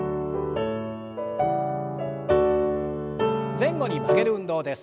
前後に曲げる運動です。